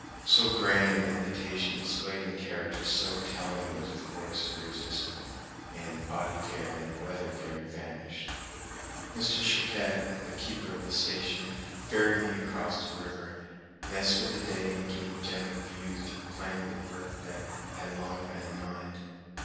So grand an invitation displayed in characters so telling was of course irresistible, and body care and weather care vanished. Mr. Choquette, the keeper of the station, ferried me across the river, and I spent the day in getting general views and planning the work that had been long in mind.